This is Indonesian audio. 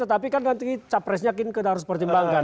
tetapi kan nanti capresnya kita harus pertimbangkan